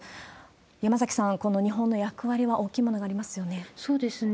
山崎さん、この日本の役割は大きいものがありますよね。